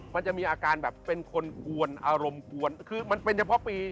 มันจะมีอาการแบบเป็นคนกวนอารมณ์กวนคือมันเป็นเฉพาะปี